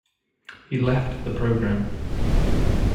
He left the program.